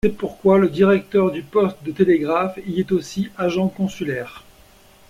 C’est pourquoi le directeur du poste de télégraphe y est aussi agent consulaire.